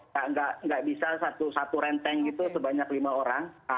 tidak bisa satu renteng sebanyak lima orang